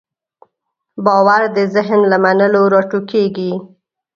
باور د ذهن له منلو راټوکېږي.